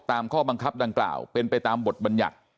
ข้อบังคับดังกล่าวเป็นไปตามบทบัญญัติ